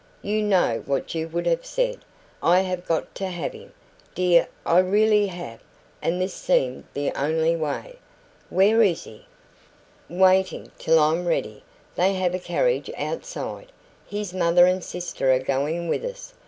You know what you would have said. I have GOT to have him, dear I really have and this seemed the only way." "Where is he?" "Waiting till I'm ready. They have a carriage outside. His mother and sister are going with us.